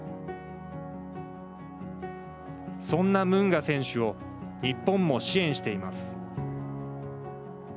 そんなムンガ選手を日本も支援しています。